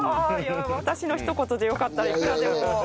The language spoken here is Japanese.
私の一言でよかったらいくらでも。